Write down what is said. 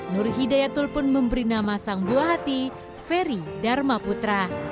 nur hidayatul pun memberi nama sang buah hati feri dharma putra